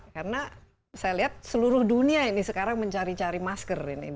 karena saya lihat seluruh dunia ini sekarang mencari cari masker ini